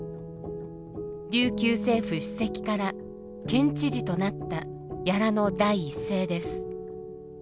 琉球政府主席から県知事となった屋良の第一声です。